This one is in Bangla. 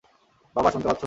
বাবা, শুনতে পাচ্ছো?